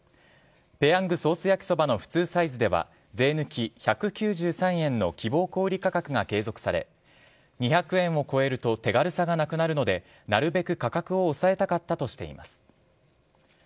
ペヤングソースやきそばの普通サイズでは税抜き１９３円の希望小売価格が継続され２００円を超えると手軽さがなくなるのでなるべく価格を抑えたかったとしています。